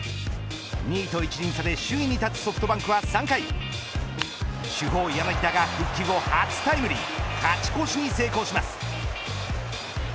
２位と１の差で首位に立つソフトバンクは３回主砲、柳田が復帰後初タイムリー勝ち越しに成功します。